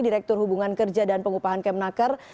direktur hubungan kerja dan pengupahan kemnaker